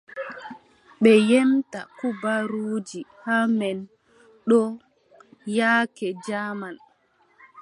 Ɓe ƴemta kubaruuji haa men ɗo yaake jaaman.